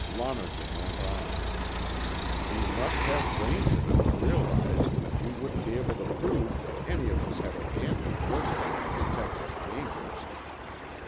Lonergan went on. "You must have brains enough to realize that you wouldn't be able to prove that any of us had a hand in murdering those Texas Rangers.